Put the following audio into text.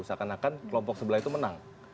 seakan akan kelompok sebelah itu menang